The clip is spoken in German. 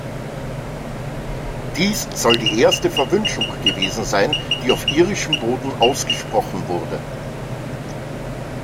Dies soll die erste Verwünschung gewesen sein, die auf irischem Boden ausgesprochen wurde.